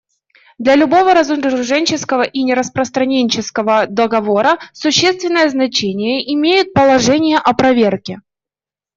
Для любого разоруженческого и нераспространенческого договора существенное значение имеют положения о проверке.